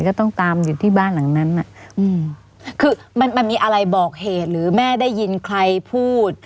ก็ต้องตามอยู่ที่บ้านหลังนั้นอ่ะอืมคือมันมันมีอะไรบอกเหตุหรือแม่ได้ยินใครพูด